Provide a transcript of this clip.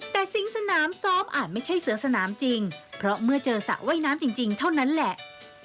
แต่สิงสนามซ้อมอาจไม่ใช่เสือสนามจริงเพราะเมื่อเจอสระว่ายน้ำจริงเท่านั้นแหละ